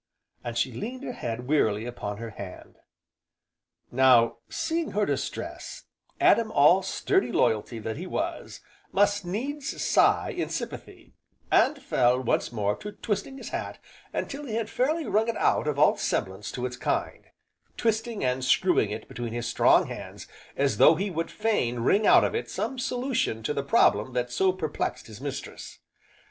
and she leaned her head wearily upon her hand. Now, seeing her distress, Adam all sturdy loyalty that he was, must needs sigh in sympathy, and fell, once more, to twisting his hat until he had fairly wrung it out of all semblance to its kind, twisting and screwing it between his strong hands as though he would fain wring out of it some solution to the problem that so perplexed his mistress.